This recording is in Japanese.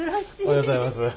おはようございます。